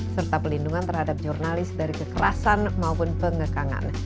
serta pelindungan terhadap jurnalis dari kekerasan maupun pengekangan